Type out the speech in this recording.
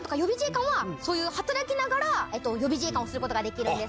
即応予備自衛官はそういう働きながら予備自衛官をすることができるんです。